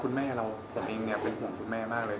คุณแม่เราผมเองเนี่ยเป็นห่วงคุณแม่มากเลย